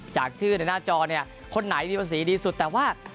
จากชื่อในหน้าจอเนี่ยคนไหนมีภาษีดีสุดแต่ว่า